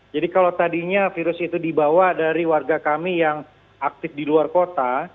jadi kalau tadinya virus itu dibawa dari warga kami yang aktif di luar kota